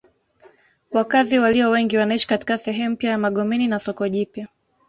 Wakazi walio wengi wanaishi katika sehemu mpya ya Magomeni na soko jipya